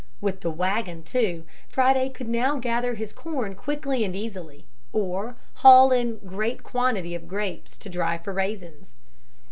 With the wagon too, Friday could now gather his corn quickly and easily, or haul in a great quantity of grapes to dry for raisins.